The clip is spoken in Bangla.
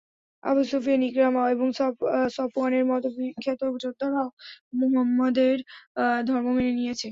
আবু সুফিয়ান ইকরামা এবং সফওয়ানের মত বিখ্যাত যোদ্ধারাও মুহাম্মাদের ধর্ম মেনে নিয়েছে।